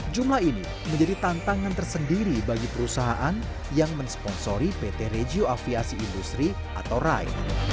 jumlah ini menjadi tantangan tersendiri bagi perusahaan yang mensponsori pt regio aviasi industri atau rai